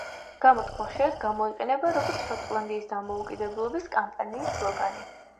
გამოთქმა ხშირად გამოიყენება, როგორც შოტლანდიის დამოუკიდებლობის კამპანიის სლოგანი.